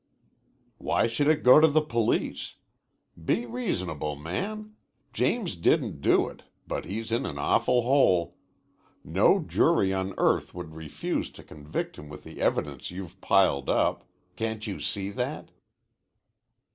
"Why should it go to the police? Be reasonable, man. James didn't do it, but he's in an awful hole. No jury on earth would refuse to convict him with the evidence you've piled up. Can't you see that?"